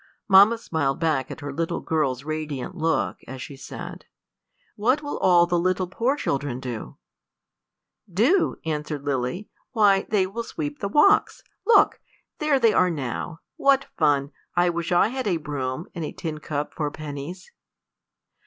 Mamma smiled back at her little girl's radiant look, as she said, "What will all the little poor children do?" "Do?" answered Lily; "why, they will sweep the walks look! there they are now. What fun! I wish I had a broom, and a tin cup for pennies."